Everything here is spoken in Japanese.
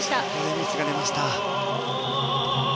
ミスが出ました。